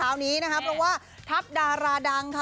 คราวนี้นะคะเพราะว่าทัพดาราดังค่ะ